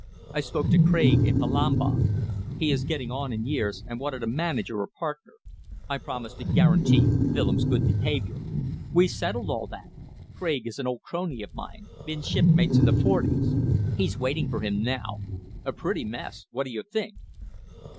I spoke to Craig in Palembang. He is getting on in years, and wanted a manager or partner. I promised to guarantee Willems' good behaviour. We settled all that. Craig is an old crony of mine. Been shipmates in the forties. He's waiting for him now. A pretty mess! What do you think?"